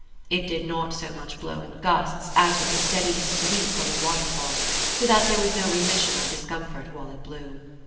It did not so much blow in gusts as with the steady sweep of a waterfall, so that there was no remission of discomfort while it blew.